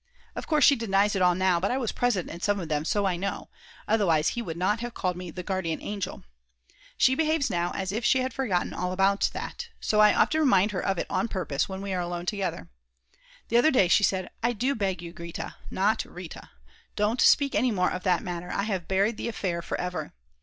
Of course she denies it all now, but I was present at some of them so I know; otherwise he would not have called me "the Guardian Angel." She behaves now as if she had forgotten all about that, so I often remind her of it on purpose when we are alone together. The other day she said: "I do beg you, Grete (not Rita), don't speak any more of that matter; I have buried the affair for ever."